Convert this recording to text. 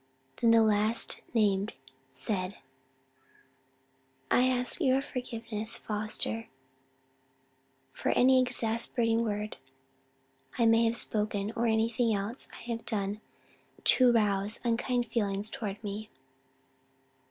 Then the last named said, "I ask your forgiveness, Foster, for any exasperating word I may have spoken, or anything else I have done to rouse unkind feelings toward me."